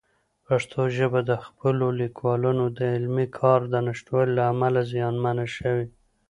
پښتو ژبه د خپلو لیکوالانو د علمي کار د نشتوالي له امله زیانمنه شوې.